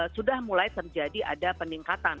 sudah mulai terjadi ada peningkatan